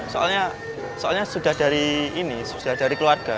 soalnya soalnya sudah dari ini sudah dari keluarga